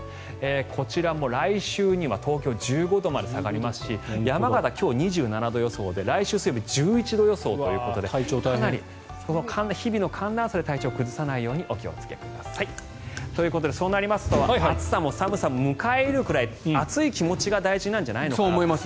こちらも来週には東京、１５度まで下がりますし山形、今日は２７度予想で来週水曜日１１度予想ということでかなり日々の寒暖差で体調を崩さないようにお気をつけください。ということでそうなりますと暑さも寒さも迎え入れるくらい熱い気持ちが大事なんじゃないのかな。